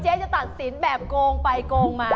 เจ๊จะตัดศิลป์แบบโกงไปโกงมา